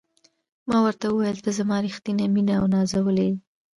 ما ورته وویل: ته زما ریښتینې مینه او نازولې یې.